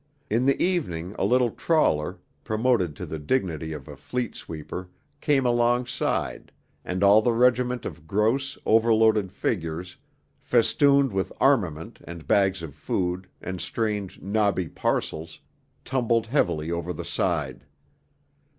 In the evening a little trawler, promoted to the dignity of a fleet sweeper, came alongside, and all the regiment of gross, overloaded figures, festooned with armament and bags of food, and strange, knobbly parcels, tumbled heavily over the side.